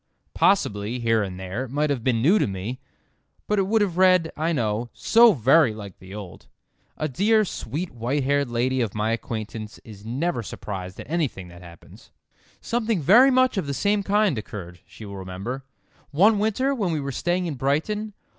Possibly, here and there, it might have been new to me, but it would have read, I know, so very like the old. A dear, sweet white haired lady of my acquaintance is never surprised at anything that happens. "Something very much of the same kind occurred," she will remember, "one winter when we were staying in Brighton.